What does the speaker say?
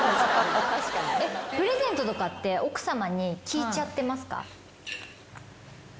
プレゼントとかって奥さまに聞いちゃってますか？